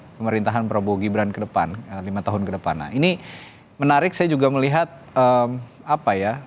pemerintahan prabowo gibran kedepan lima tahun kedepan nah ini menarik saya juga melihat apa ya